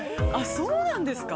◆そうなんですか。